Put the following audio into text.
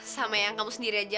sama yang kamu sendiri aja